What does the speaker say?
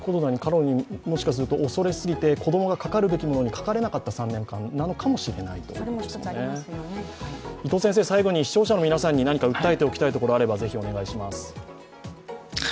もしかすると過度に恐れすぎて、子供がかかるべきものにかかれなかった３年間だったのかもしれない最後に視聴者の皆さんに何か訴えておきたいことがあれば、お願いします。